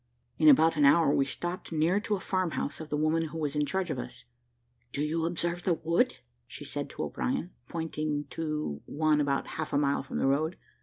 In about an hour we stopped near to the farm house of the woman who was in charge of us. "Do you observe that wood?" said she to O'Brien, pointing to one about half a mile from the road.